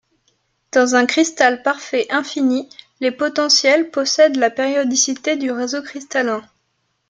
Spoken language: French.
Dans un cristal parfait infini, les potentiels possèdent la périodicité du réseau cristallin.